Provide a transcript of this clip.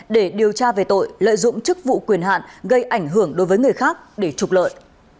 để điều tra về tội lợi dụng chức vụ quyền hạn gây ảnh hưởng đối với người khác để trục lợi